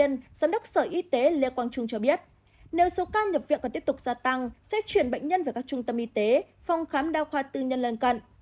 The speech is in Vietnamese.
y tế lê quang trung cho biết nếu số ca nhập viện còn tiếp tục gia tăng sẽ chuyển bệnh nhân về các trung tâm y tế phòng khám đa khoa tư nhân lên cận